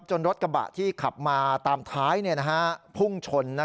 รถกระบะที่ขับมาตามท้ายพุ่งชน